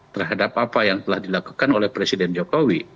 terhadap apa yang telah dilakukan oleh presiden jokowi